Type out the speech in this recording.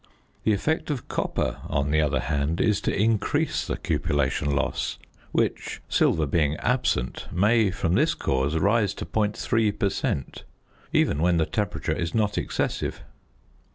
The effect of copper, on the other hand, is to increase the cupellation loss, which, silver being absent, may from this cause rise to .3 per cent., even when the temperature is not excessive.